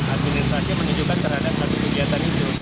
administrasi menunjukkan terhadap satu kegiatan itu